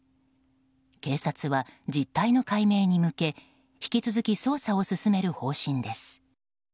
警察は、実態の解明に向け引き続き、捜査を進める方針です。